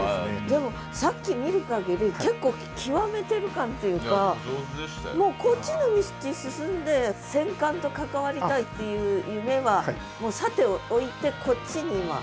でもさっき見るかぎり結構極めてる感っていうかもうこっちの道進んで戦艦と関わりたいっていう夢はさておいてこっちに今？